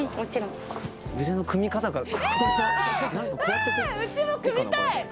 わあうちも組みたい！